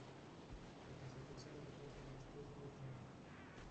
La concentración es vital para el estudio y el trabajo.